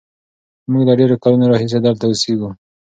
موږ له ډېرو کلونو راهیسې دلته اوسېږو.